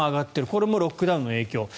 これもロックダウンの影響。